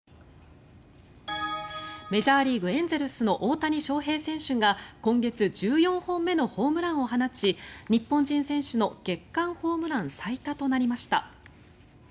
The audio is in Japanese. メジャーリーグエンゼルスの大谷翔平選手が今月１４本目のホームランを放ち日本人選手の月間ホームラン最多となりました。